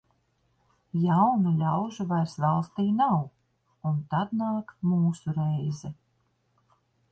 Jaunu ļaužu vairs valstī nav, un tad nāk mūsu reize.